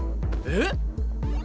えっ⁉